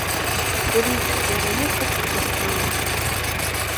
Ur yessefk ara akk ad tettumt aya.